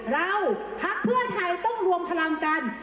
พักเพื่อไทยต้องรวมพลังกัน